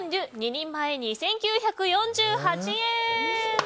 ２人前２９４８円。